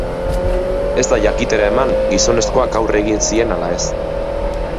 Ez da jakitera eman gizonezkoak aurre egin zien ala ez.